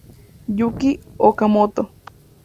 Yuki Okamoto